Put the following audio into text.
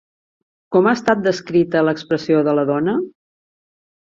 Com ha estat descrita l'expressió de la dona?